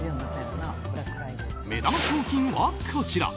目玉商品はこちら。